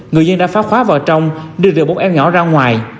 người dân đã phá khóa vào trong đưa được một em nhỏ ra ngoài